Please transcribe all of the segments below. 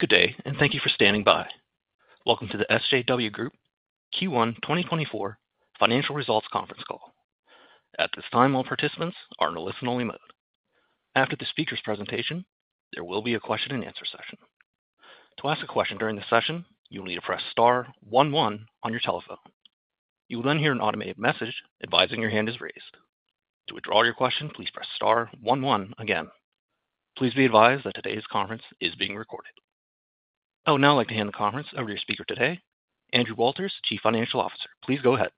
Good day, and thank you for standing by. Welcome to the SJW Group Q1 2024 Financial Results Conference Call. At this time, all participants are in a listen-only mode. After the speaker's presentation, there will be a question-and-answer session. To ask a question during the session, you will need to press star 11 on your telephone. You will then hear an automated message advising your hand is raised. To withdraw your question, please press star 11 again. Please be advised that today's conference is being recorded. I would now like to hand the conference over to your speaker today, Andrew Walters, Chief Financial Officer. Please go ahead.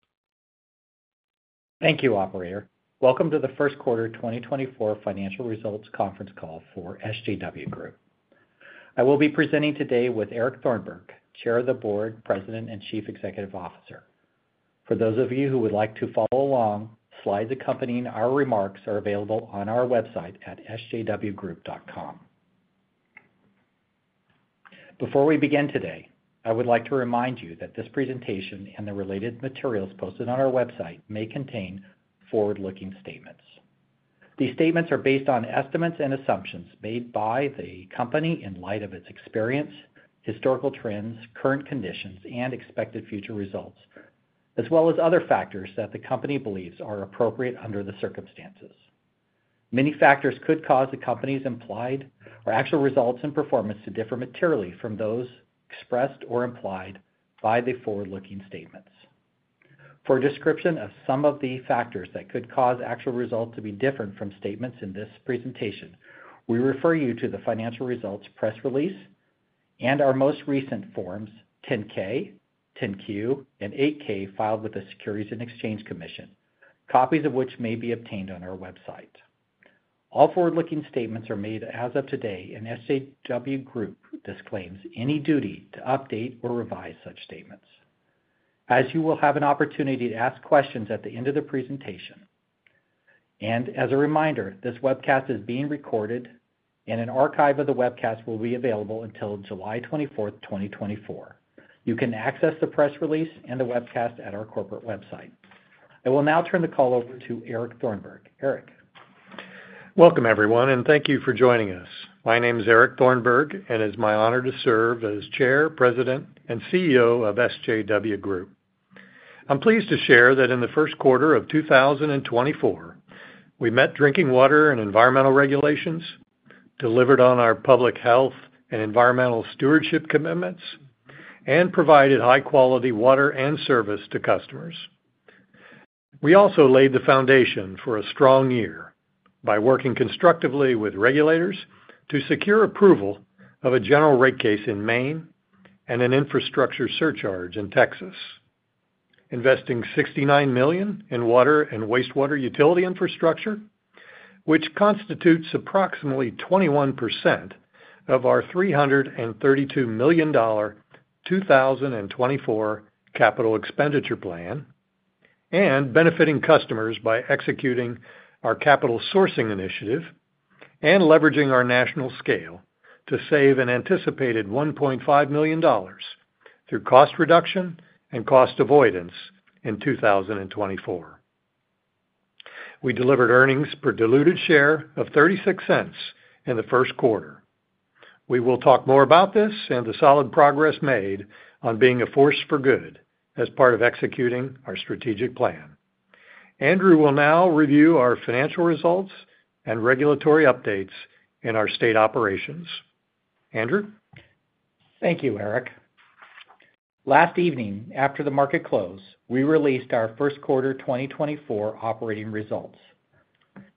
Thank you, Operator. Welcome to the first quarter 2024 Financial Results Conference Call for SJW Group. I will be presenting today with Eric Thornburg, Chair of the Board, President, and Chief Executive Officer. For those of you who would like to follow along, slides accompanying our remarks are available on our website at sjwgroup.com. Before we begin today, I would like to remind you that this presentation and the related materials posted on our website may contain forward-looking statements. These statements are based on estimates and assumptions made by the company in light of its experience, historical trends, current conditions, and expected future results, as well as other factors that the company believes are appropriate under the circumstances. Many factors could cause the company's implied or actual results and performance to differ materially from those expressed or implied by the forward-looking statements. For a description of some of the factors that could cause actual results to be different from statements in this presentation, we refer you to the financial results press release and our most recent forms 10-K, 10-Q, and 8-K filed with the Securities and Exchange Commission, copies of which may be obtained on our website. All forward-looking statements are made as of today, and SJW Group disclaims any duty to update or revise such statements. As you will have an opportunity to ask questions at the end of the presentation. As a reminder, this webcast is being recorded, and an archive of the webcast will be available until July 24, 2024. You can access the press release and the webcast at our corporate website. I will now turn the call over to Eric Thornberg. Eric. Welcome, everyone, and thank you for joining us. My name is Eric Thornberg, and it's my honor to serve as Chair, President, and CEO of SJW Group. I'm pleased to share that in the first quarter of 2024, we met drinking water and environmental regulations, delivered on our public health and environmental stewardship commitments, and provided high-quality water and service to customers. We also laid the foundation for a strong year by working constructively with regulators to secure approval of a general rate case in Maine and an infrastructure surcharge in Texas, investing $69 million in water and wastewater utility infrastructure, which constitutes approximately 21% of our $332 million 2024 capital expenditure plan, and benefiting customers by executing our capital sourcing initiative and leveraging our national scale to save an anticipated $1.5 million through cost reduction and cost avoidance in 2024. We delivered earnings per diluted share of $0.36 in the first quarter. We will talk more about this and the solid progress made on being a force for good as part of executing our strategic plan. Andrew will now review our financial results and regulatory updates in our state operations. Andrew? Thank you, Eric. Last evening, after the market closed, we released our first quarter 2024 operating results.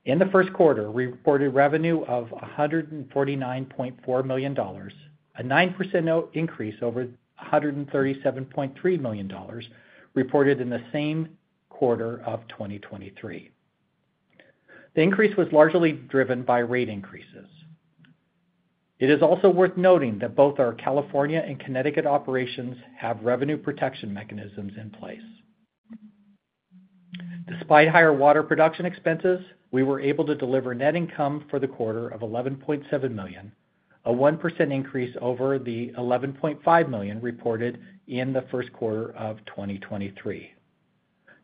In the first quarter, we reported revenue of $149.4 million, a 9% increase over $137.3 million reported in the same quarter of 2023. The increase was largely driven by rate increases. It is also worth noting that both our California and Connecticut operations have revenue protection mechanisms in place. Despite higher water production expenses, we were able to deliver net income for the quarter of $11.7 million, a 1% increase over the $11.5 million reported in the first quarter of 2023.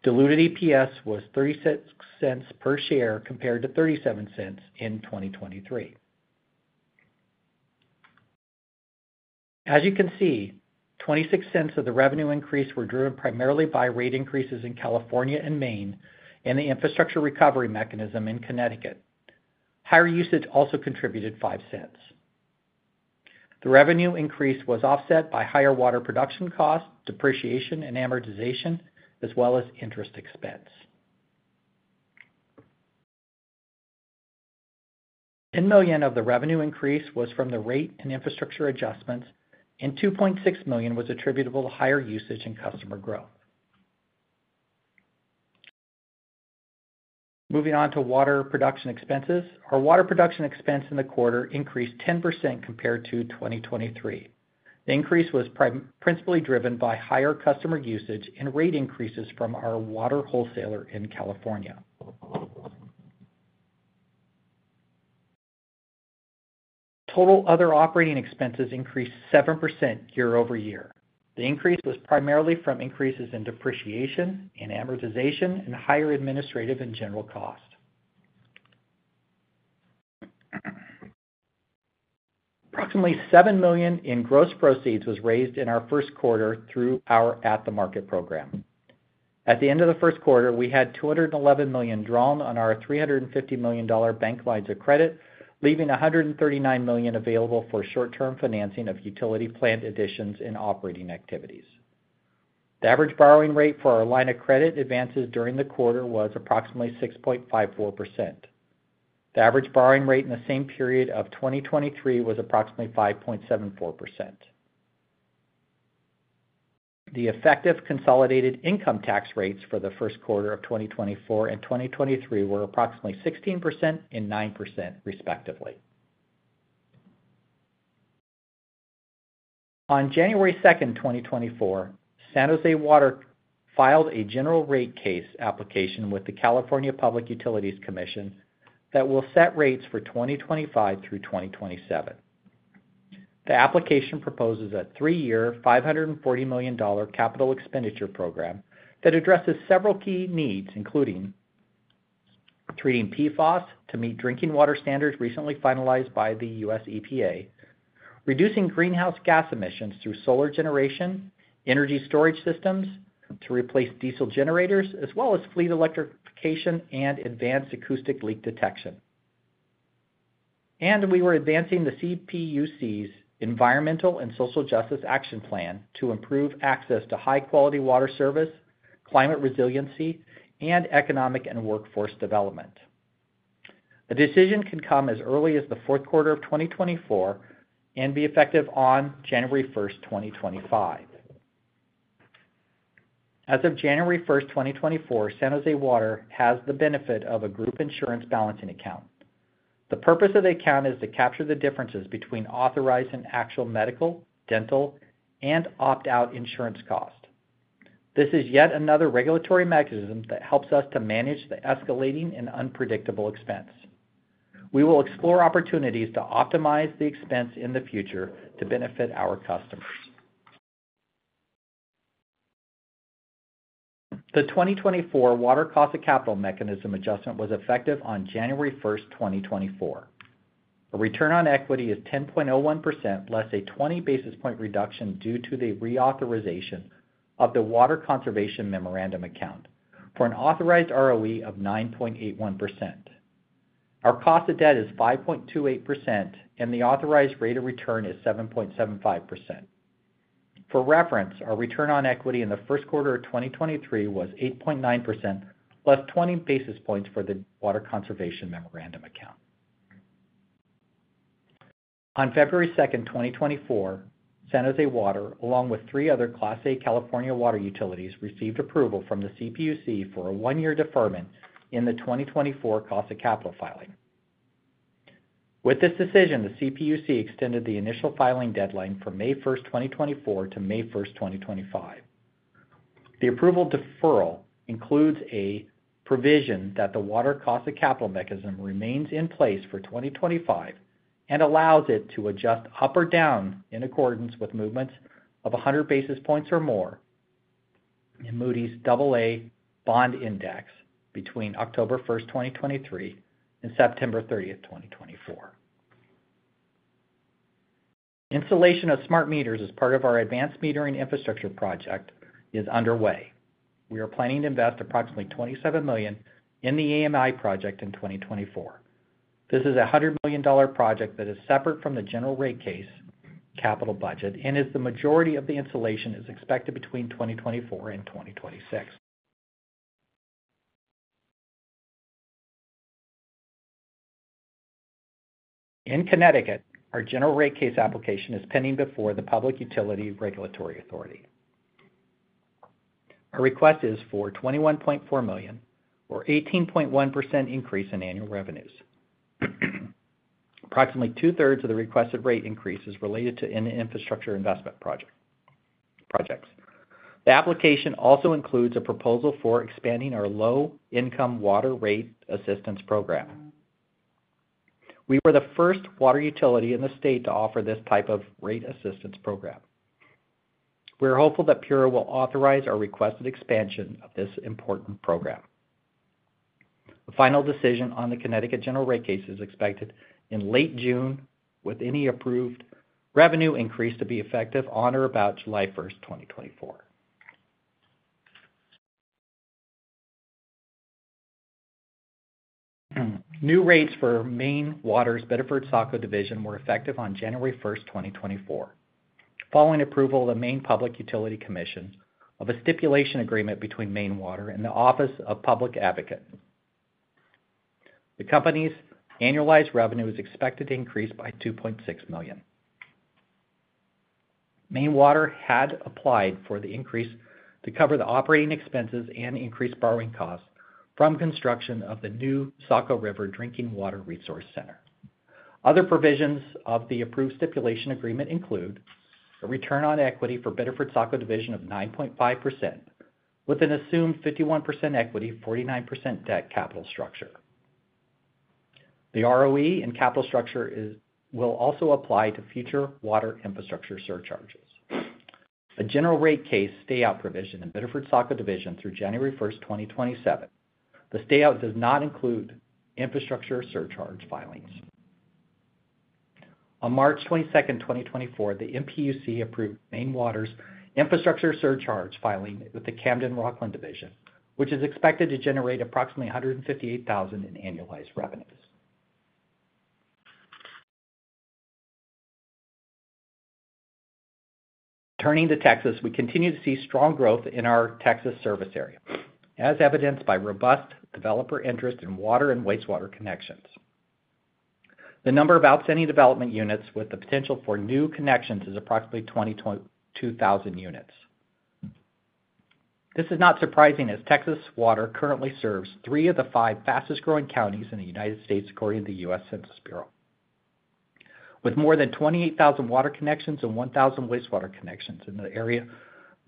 Diluted EPS was $0.36 per share compared to $0.37 in 2023. As you can see, $0.26 of the revenue increase were driven primarily by rate increases in California and Maine and the infrastructure recovery mechanism in Connecticut. Higher usage also contributed $0.05. The revenue increase was offset by higher water production costs, depreciation, and amortization, as well as interest expense. $10 million of the revenue increase was from the rate and infrastructure adjustments, and $2.6 million was attributable to higher usage and customer growth. Moving on to water production expenses, our water production expense in the quarter increased 10% compared to 2023. The increase was principally driven by higher customer usage and rate increases from our water wholesaler in California. Total other operating expenses increased 7% year-over-year. The increase was primarily from increases in depreciation and amortization and higher administrative and general costs. Approximately $7 million in gross proceeds was raised in our first quarter through our at-the-market program. At the end of the first quarter, we had $211 million drawn on our $350 million bank lines of credit, leaving $139 million available for short-term financing of utility plant additions and operating activities. The average borrowing rate for our line of credit advances during the quarter was approximately 6.54%. The average borrowing rate in the same period of 2023 was approximately 5.74%. The effective consolidated income tax rates for the first quarter of 2024 and 2023 were approximately 16% and 9%, respectively. On January 2, 2024, San Jose Water filed a general rate case application with the California Public Utilities Commission that will set rates for 2025 through 2027. The application proposes a three-year $540 million capital expenditure program that addresses several key needs, including treating PFAS to meet drinking water standards recently finalized by the U.S. EPA, reducing greenhouse gas emissions through solar generation, energy storage systems to replace diesel generators, as well as fleet electrification and advanced acoustic leak detection. And we were advancing the CPUC's Environmental and Social Justice Action Plan to improve access to high-quality water service, climate resiliency, and economic and workforce development. The decision can come as early as the fourth quarter of 2024 and be effective on January 1, 2025. As of January 1, 2024, San Jose Water has the benefit of a Group Insurance Balancing Account. The purpose of the account is to capture the differences between authorized and actual medical, dental, and opt-out insurance costs. This is yet another regulatory mechanism that helps us to manage the escalating and unpredictable expense. We will explore opportunities to optimize the expense in the future to benefit our customers. The 2024 Water Cost of Capital Mechanism adjustment was effective on January 1, 2024. A return on equity is 10.01%, less a 20 basis point reduction due to the reauthorization of the Water Conservation Memorandum Account for an authorized ROE of 9.81%. Our cost of debt is 5.28%, and the authorized rate of return is 7.75%. For reference, our return on equity in the first quarter of 2023 was 8.9%, less 20 basis points for the Water Conservation Memorandum Account. On February 2, 2024, San Jose Water, along with three other Class A California water utilities, received approval from the CPUC for a one-year deferment in the 2024 cost of capital filing. With this decision, the CPUC extended the initial filing deadline from May 1, 2024, to May 1, 2025. The approval deferral includes a provision that the water cost of capital mechanism remains in place for 2025 and allows it to adjust up or down in accordance with movements of 100 basis points or more in Moody's AA Bond Index between October 1, 2023, and September 30, 2024. Installation of smart meters as part of our advanced metering infrastructure project is underway. We are planning to invest approximately $27 million in the AMI project in 2024. This is a $100 million project that is separate from the general rate case capital budget and the majority of the installation is expected between 2024 and 2026. In Connecticut, our general rate case application is pending before the Public Utility Regulatory Authority. Our request is for $21.4 million, or 18.1% increase in annual revenues. Approximately two-thirds of the requested rate increase is related to infrastructure investment projects. The application also includes a proposal for expanding our low-income water rate assistance program. We were the first water utility in the state to offer this type of rate assistance program. We are hopeful that PURA will authorize our requested expansion of this important program. The final decision on the Connecticut general rate case is expected in late June, with any approved revenue increase to be effective on or about July 1, 2024. New rates for Maine Water's Biddeford-Saco Division were effective on January 1, 2024, following approval of the Maine Public Utilities Commission of a stipulation agreement between Maine Water and the Office of the Public Advocate. The company's annualized revenue is expected to increase by $2.6 million. Maine Water had applied for the increase to cover the operating expenses and increased borrowing costs from construction of the new Saco River Drinking Water Resource Center. Other provisions of the approved stipulation agreement include a return on equity for Biddeford-Saco Division of 9.5%, with an assumed 51% equity, 49% debt capital structure. The ROE and capital structure will also apply to future water infrastructure surcharges. A general rate case stayout provision in Biddeford-Saco Division through January 1, 2027. The stayout does not include infrastructure surcharge filings. On March 22, 2024, the MPUC approved Maine Water's infrastructure surcharge filing with the Camden-Rockland Division, which is expected to generate approximately $158,000 in annualized revenues. Turning to Texas, we continue to see strong growth in our Texas service area, as evidenced by robust developer interest in water and wastewater connections. The number of outstanding development units with the potential for new connections is approximately 2,000 units. This is not surprising, as Texas Water currently serves three of the five fastest-growing counties in the United States, according to the U.S. Census Bureau. With more than 28,000 water connections and 1,000 wastewater connections in the area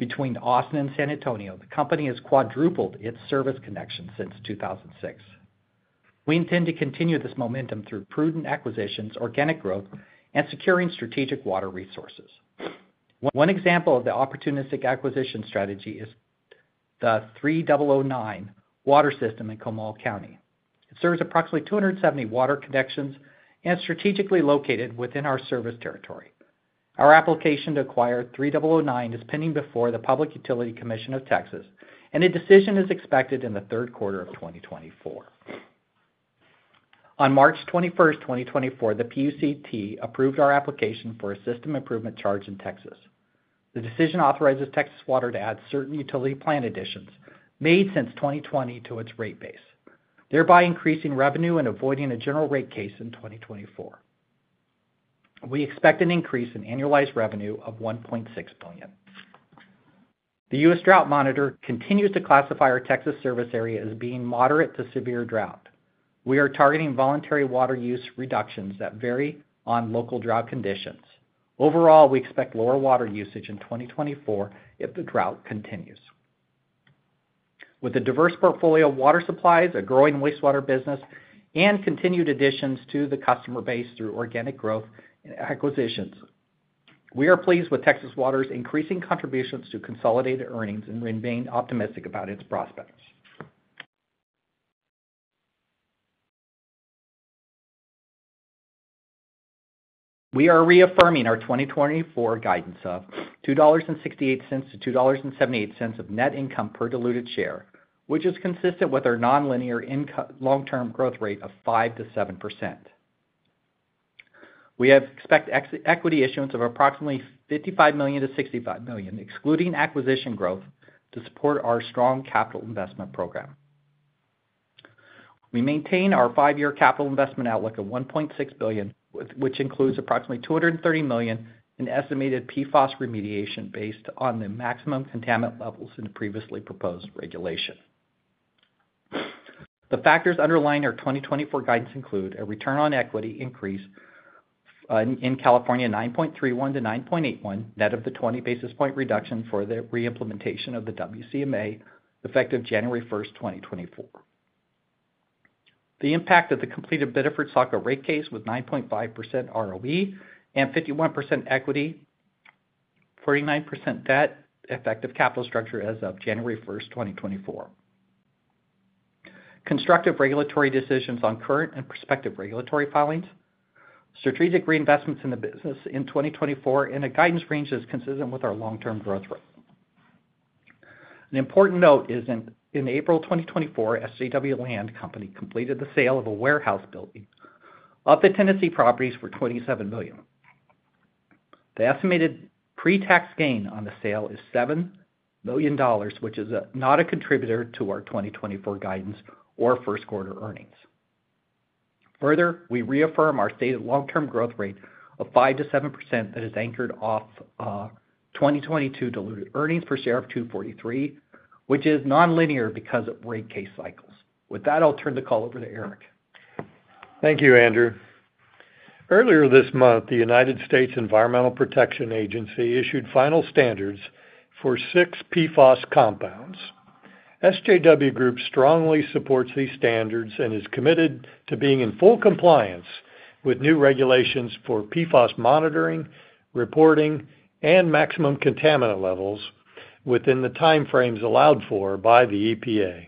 between Austin and San Antonio, the company has quadrupled its service connections since 2006. We intend to continue this momentum through prudent acquisitions, organic growth, and securing strategic water resources. One example of the opportunistic acquisition strategy is the 3009 water system in Comal County. It serves approximately 270 water connections and is strategically located within our service territory. Our application to acquire 3009 is pending before the Public Utility Commission of Texas, and a decision is expected in the third quarter of 2024. On March 21, 2024, the PUCT approved our application for a System Improvement Charge in Texas. The decision authorizes Texas Water to add certain utility plant additions made since 2020 to its rate base, thereby increasing revenue and avoiding a general rate case in 2024. We expect an increase in annualized revenue of $1.6 million. The U.S. Drought Monitor continues to classify our Texas service area as being moderate to severe drought. We are targeting voluntary water use reductions that vary on local drought conditions. Overall, we expect lower water usage in 2024 if the drought continues. With a diverse portfolio of water supplies, a growing wastewater business, and continued additions to the customer base through organic growth and acquisitions, we are pleased with Texas Water's increasing contributions to consolidated earnings and remaining optimistic about its prospects. We are reaffirming our 2024 guidance of $2.68-$2.78 of net income per diluted share, which is consistent with our nonlinear long-term growth rate of 5%-7%. We expect equity issuance of approximately $55-$65 million, excluding acquisition growth, to support our strong capital investment program. We maintain our five-year capital investment outlook of $1.6 billion, which includes approximately $230 million in estimated PFAS remediation based on the maximum contaminant levels in the previously proposed regulation. The factors underlying our 2024 guidance include a return on equity increase in California of 9.31%-9.81%, net of the 20 basis point reduction for the reimplementation of the WCMA effective January 1, 2024. The impact of the completed Biddeford-Saco rate case with 9.5% ROE and 51% equity, 49% debt, effective capital structure as of January 1, 2024. Constructive regulatory decisions on current and prospective regulatory filings, strategic reinvestments in the business in 2024, and a guidance range that is consistent with our long-term growth rhythm. An important note is, in April 2024, SJW Land Company completed the sale of a warehouse building of the Tennessee properties for $27 million. The estimated pre-tax gain on the sale is $7 million, which is not a contributor to our 2024 guidance or first quarter earnings. Further, we reaffirm our stated long-term growth rate of 5%-7% that is anchored off 2022 diluted earnings per share of 243, which is nonlinear because of rate case cycles. With that, I'll turn the call over to Eric. Thank you, Andrew. Earlier this month, the United States Environmental Protection Agency issued final standards for six PFAS compounds. SJW Group strongly supports these standards and is committed to being in full compliance with new regulations for PFAS monitoring, reporting, and maximum contaminant levels within the time frames allowed for by the EPA.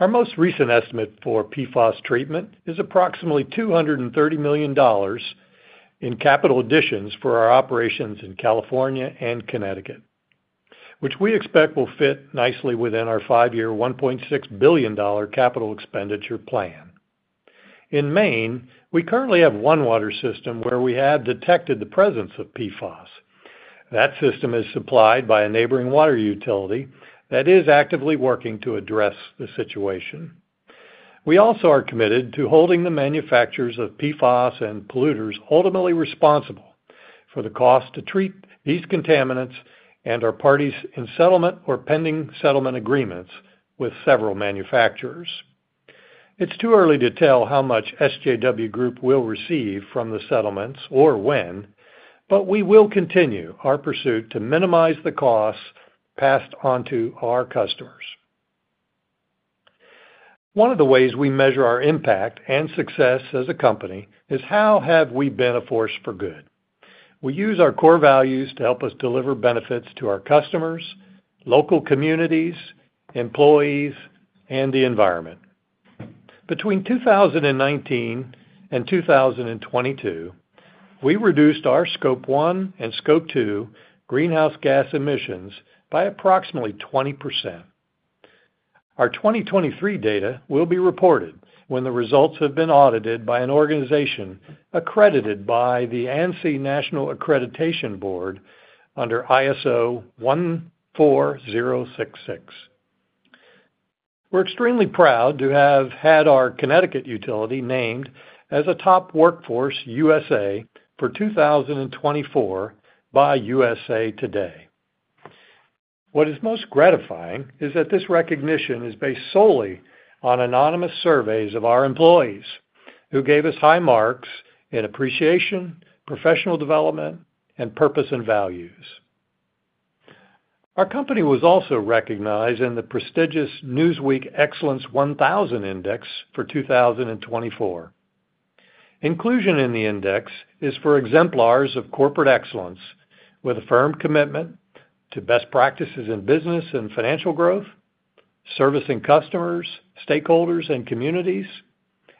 Our most recent estimate for PFAS treatment is approximately $230 million in capital additions for our operations in California and Connecticut, which we expect will fit nicely within our 5-year $1.6 billion capital expenditure plan. In Maine, we currently have one water system where we have detected the presence of PFAS. That system is supplied by a neighboring water utility that is actively working to address the situation. We also are committed to holding the manufacturers of PFAS and polluters ultimately responsible for the cost to treat these contaminants and our parties in settlement or pending settlement agreements with several manufacturers. It's too early to tell how much SJW Group will receive from the settlements or when, but we will continue our pursuit to minimize the costs passed onto our customers. One of the ways we measure our impact and success as a company is how have we been a force for good. We use our core values to help us deliver benefits to our customers, local communities, employees, and the environment. Between 2019 and 2022, we reduced our Scope 1 and Scope 2 greenhouse gas emissions by approximately 20%. Our 2023 data will be reported when the results have been audited by an organization accredited by the ANSI National Accreditation Board under ISO 14064. We're extremely proud to have had our Connecticut utility named as a Top Workplace USA for 2024 by USA Today. What is most gratifying is that this recognition is based solely on anonymous surveys of our employees who gave us high marks in appreciation, professional development, and purpose and values. Our company was also recognized in the prestigious Newsweek Excellence 1000 Index for 2024. Inclusion in the index is for exemplars of corporate excellence with a firm commitment to best practices in business and financial growth, servicing customers, stakeholders, and communities,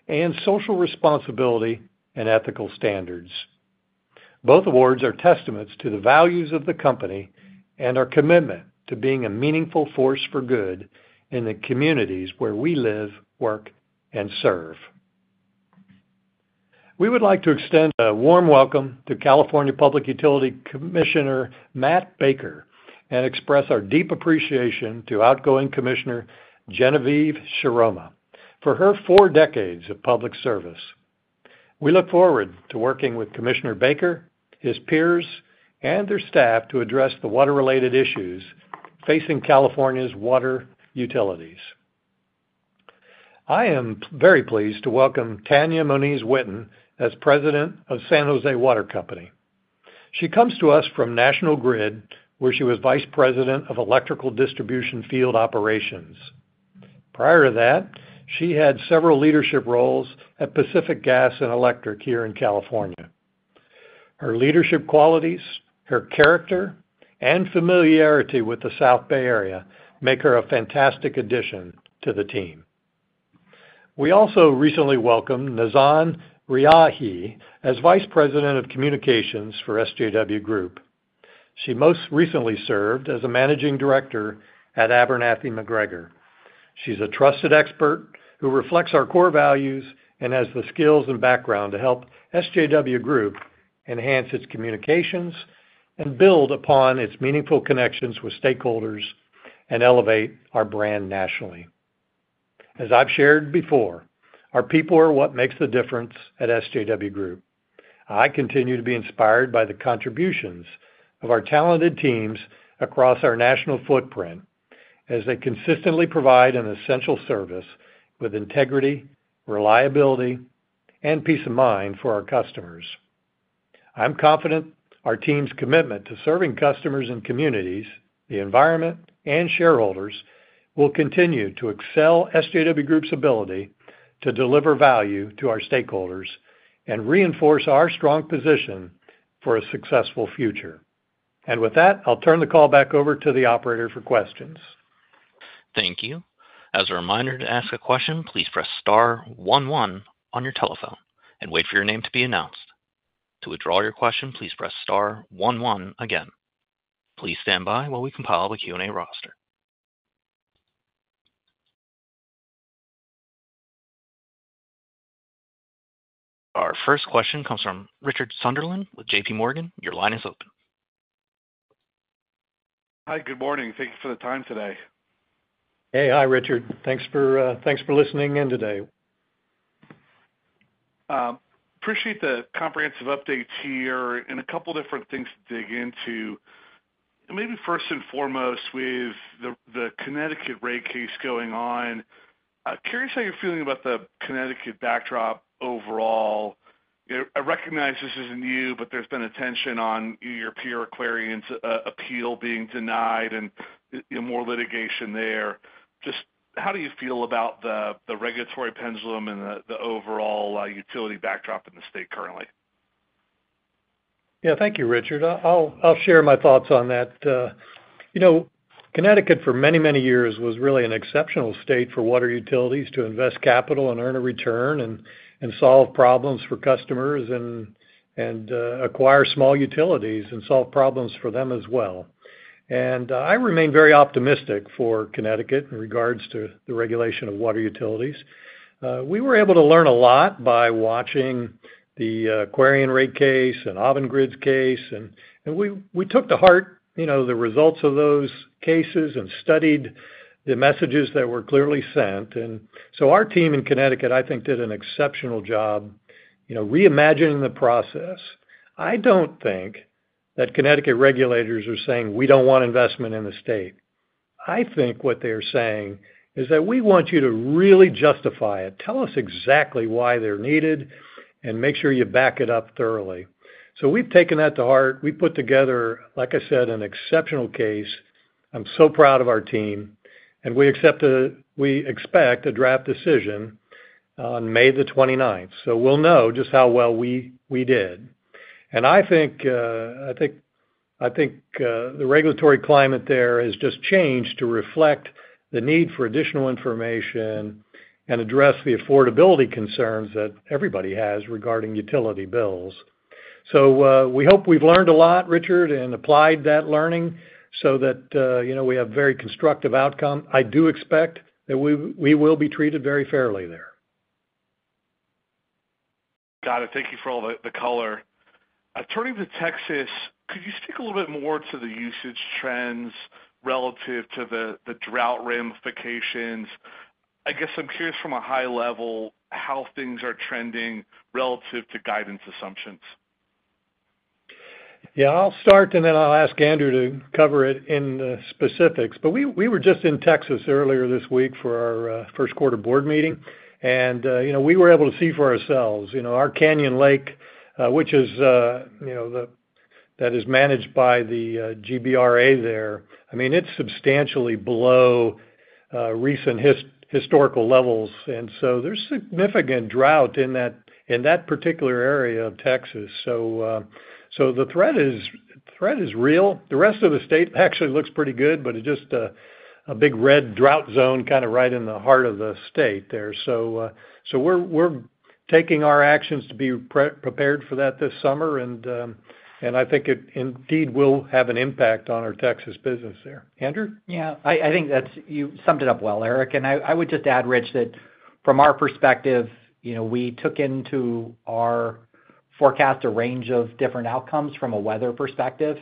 and social responsibility and ethical standards. Both awards are testaments to the values of the company and our commitment to being a meaningful force for good in the communities where we live, work, and serve. We would like to extend a warm welcome to California Public Utilities Commissioner Matt Baker and express our deep appreciation to outgoing Commissioner Genevieve Shiroma for her four decades of public service. We look forward to working with Commissioner Baker, his peers, and their staff to address the water-related issues facing California's water utilities. I am very pleased to welcome Tanya Moniz-Witten as President of San Jose Water Company. She comes to us from National Grid, where she was Vice President of Electrical Distribution Field Operations. Prior to that, she had several leadership roles at Pacific Gas and Electric here in California. Her leadership qualities, her character, and familiarity with the South Bay Area make her a fantastic addition to the team. We also recently welcomed Nazan Riahi as Vice President of Communications for SJW Group. She most recently served as a Managing Director at Abernathy McGregor. She's a trusted expert who reflects our core values and has the skills and background to help SJW Group enhance its communications and build upon its meaningful connections with stakeholders and elevate our brand nationally. As I've shared before, our people are what makes the difference at SJW Group. I continue to be inspired by the contributions of our talented teams across our national footprint as they consistently provide an essential service with integrity, reliability, and peace of mind for our customers. I'm confident our team's commitment to serving customers and communities, the environment, and shareholders will continue to excel SJW Group's ability to deliver value to our stakeholders and reinforce our strong position for a successful future. And with that, I'll turn the call back over to the operator for questions. Thank you. As a reminder, to ask a question, please press star 11 on your telephone and wait for your name to be announced. To withdraw your question, please press star 11 again. Please stand by while we compile the Q&A roster. Our first question comes from Richard Sunderland with JP Morgan. Your line is open. Hi. Good morning. Thank you for the time today. Hey. Hi, Richard. Thanks for listening in today. Appreciate the comprehensive updates here and a couple of different things to dig into. Maybe first and foremost, with the Connecticut rate case going on, curious how you're feeling about the Connecticut backdrop overall. I recognize this isn't new, but there's been attention on your peer Aquarion's appeal being denied and more litigation there. Just how do you feel about the regulatory pendulum and the overall utility backdrop in the state currently? Yeah. Thank you, Richard. I'll share my thoughts on that. Connecticut, for many, many years, was really an exceptional state for water utilities to invest capital and earn a return and solve problems for customers and acquire small utilities and solve problems for them as well. I remain very optimistic for Connecticut in regards to the regulation of water utilities. We were able to learn a lot by watching the Aquarion rate case and Avangrid's case, and we took to heart the results of those cases and studied the messages that were clearly sent. Our team in Connecticut, I think, did an exceptional job reimagining the process. I don't think that Connecticut regulators are saying, "We don't want investment in the state." I think what they are saying is that, "We want you to really justify it. Tell us exactly why they're needed, and make sure you back it up thoroughly." So we've taken that to heart. We put together, like I said, an exceptional case. I'm so proud of our team. We expect a draft decision on May the 29th, so we'll know just how well we did. I think the regulatory climate there has just changed to reflect the need for additional information and address the affordability concerns that everybody has regarding utility bills. We hope we've learned a lot, Richard, and applied that learning so that we have very constructive outcomes. I do expect that we will be treated very fairly there. Got it. Thank you for all the color. Turning to Texas, could you speak a little bit more to the usage trends relative to the drought ramifications? I guess I'm curious, from a high level, how things are trending relative to guidance assumptions. Yeah. I'll start, and then I'll ask Andrew to cover it in the specifics. But we were just in Texas earlier this week for our first quarter board meeting, and we were able to see for ourselves. Our Canyon Lake, which is managed by the GBRA there, I mean, it's substantially below recent historical levels. And so there's significant drought in that particular area of Texas. So the threat is real. The rest of the state actually looks pretty good, but it's just a big red drought zone kind of right in the heart of the state there. So we're taking our actions to be prepared for that this summer, and I think it indeed will have an impact on our Texas business there. Andrew? Yeah. I think you summed it up well, Eric. And I would just add, Rich, that from our perspective, we took into our forecast a range of different outcomes from a weather perspective,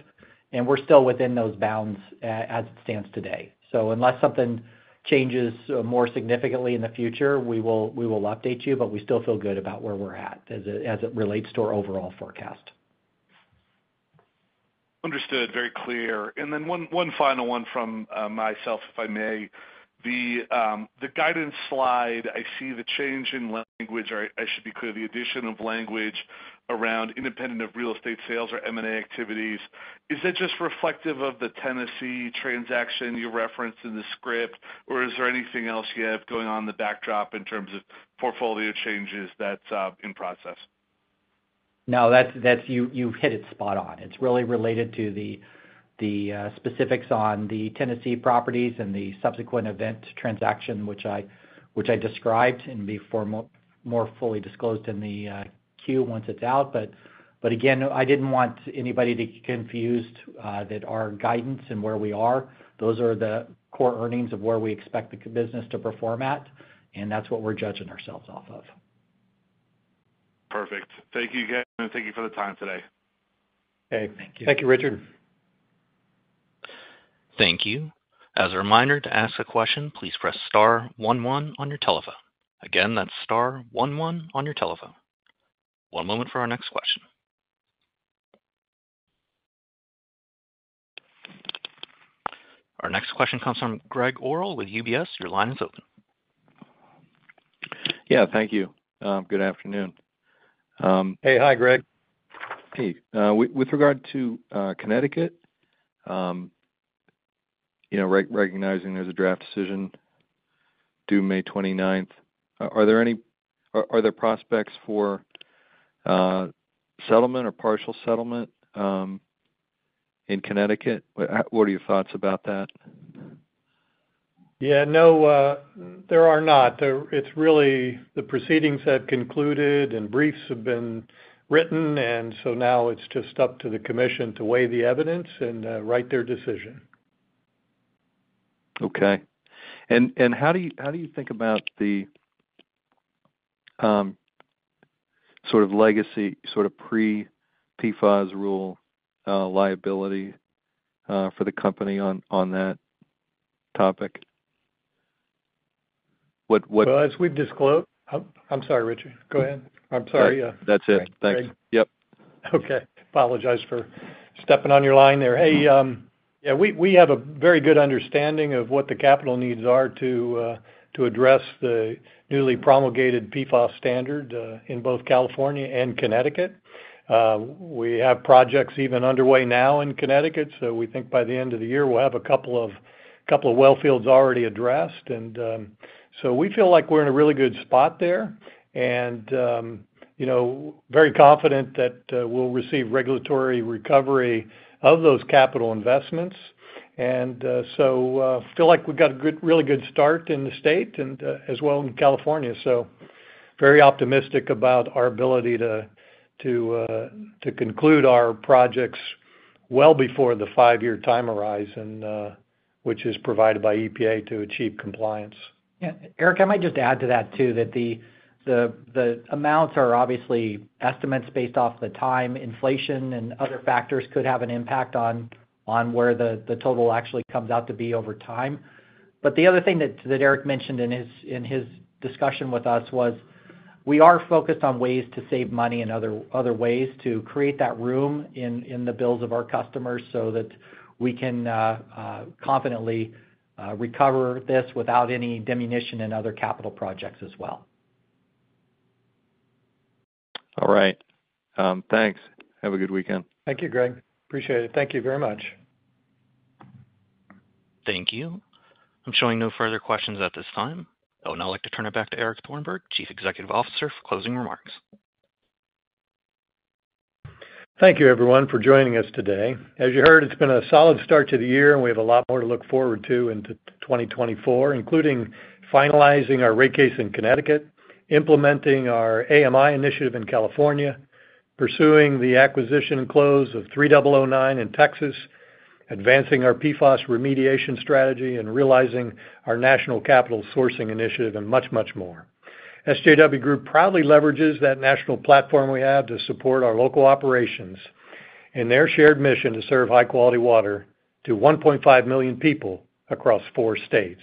and we're still within those bounds as it stands today. So unless something changes more significantly in the future, we will update you, but we still feel good about where we're at as it relates to our overall forecast. Understood. Very clear. And then one final one from myself, if I may. The guidance slide, I see the change in language, or I should be clear, the addition of language around independent of real estate sales or M&A activities. Is that just reflective of the Tennessee transaction you referenced in the script, or is there anything else you have going on in the backdrop in terms of portfolio changes that's in process? No. You hit it spot on. It's really related to the specifics on the Tennessee properties and the subsequent event transaction, which I described and be more fully disclosed in the Q once it's out. But again, I didn't want anybody to be confused that our guidance and where we are, those are the core earnings of where we expect the business to perform at, and that's what we're judging ourselves off of. Perfect. Thank you, again. Thank you for the time today. Hey. Thank you. Thank you, Richard. Thank you. As a reminder, to ask a question, please press star 11 on your telephone. Again, that's star 11 on your telephone. One moment for our next question. Our next question comes from Gregg Orrill with UBS. Your line is open. Yeah. Thank you. Good afternoon. Hey. Hi, Greg. Hey. With regard to Connecticut, recognizing there's a draft decision due May 29th, are there any prospects for settlement or partial settlement in Connecticut? What are your thoughts about that? Yeah. No. There are not. It's really the proceedings have concluded, and briefs have been written, and so now it's just up to the commission to weigh the evidence and write their decision. Okay. And how do you think about the sort of legacy, sort of pre-PFAS rule liability for the company on that topic? What? Well, as we've disclosed. I'm sorry, Richie. Go ahead. I'm sorry. Yeah. That's it. Thanks. Yep. Okay. Apologize for stepping on your line there. Hey. Yeah. We have a very good understanding of what the capital needs are to address the newly promulgated PFAS standard in both California and Connecticut. We have projects even underway now in Connecticut, so we think by the end of the year, we'll have a couple of wellfields already addressed. And so we feel like we're in a really good spot there and very confident that we'll receive regulatory recovery of those capital investments. And so feel like we've got a really good start in the state as well in California. So very optimistic about our ability to conclude our projects well before the 5-year time horizon, which is provided by EPA to achieve compliance. Yeah. Eric, I might just add to that too that the amounts are obviously estimates based off the time. Inflation and other factors could have an impact on where the total actually comes out to be over time. But the other thing that Eric mentioned in his discussion with us was we are focused on ways to save money and other ways to create that room in the bills of our customers so that we can confidently recover this without any diminution in other capital projects as well. All right. Thanks. Have a good weekend. Thank you, Greg. Appreciate it. Thank you very much. Thank you. I'm showing no further questions at this time. I'd now like to turn it back to Eric Thornberg, Chief Executive Officer, for closing remarks. Thank you, everyone, for joining us today. As you heard, it's been a solid start to the year, and we have a lot more to look forward to into 2024, including finalizing our rate case in Connecticut, implementing our AMI initiative in California, pursuing the acquisition and close of 3009 in Texas, advancing our PFAS remediation strategy, and realizing our national capital sourcing initiative, and much, much more. SJW Group proudly leverages that national platform we have to support our local operations and their shared mission to serve high-quality water to 1.5 million people across four states.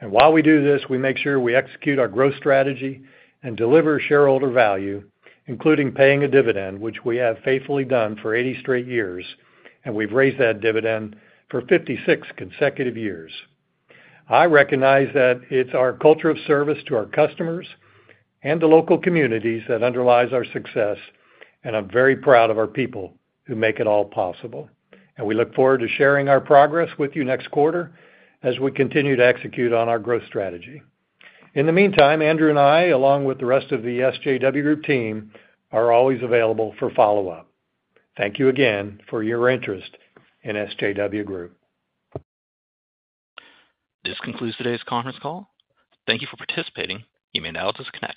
While we do this, we make sure we execute our growth strategy and deliver shareholder value, including paying a dividend, which we have faithfully done for 80 straight years, and we've raised that dividend for 56 consecutive years. I recognize that it's our culture of service to our customers and the local communities that underlies our success, and I'm very proud of our people who make it all possible. And we look forward to sharing our progress with you next quarter as we continue to execute on our growth strategy. In the meantime, Andrew and I, along with the rest of the SJW Group team, are always available for follow-up. Thank you again for your interest in SJW Group. This concludes today's conference call. Thank you for participating. You may now disconnect.